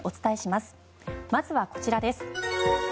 まずはこちらです。